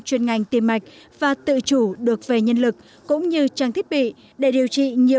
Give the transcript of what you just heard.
chuyên ngành tiêm mạch và tự chủ được về nhân lực cũng như trang thiết bị để điều trị nhiều